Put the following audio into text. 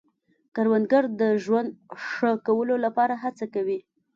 کروندګر د ژوند ښه کولو لپاره هڅه کوي